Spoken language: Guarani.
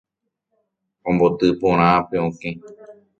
Omboty porã pe okẽ